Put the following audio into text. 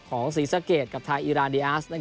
ของศรีสะเกษกับไทยอิราณเดียส